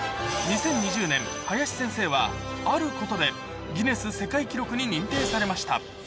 ２０２０年、林先生はあることでギネス世界記録に認定されました。